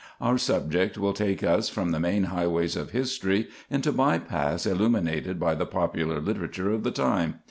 Our subject will take us from the main highways of history into by paths illuminated by the popular literature of the time.